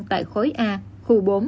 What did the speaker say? tại khối a khu bốn